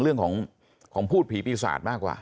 เรื่องของพูดผีปีศาจมากกว่า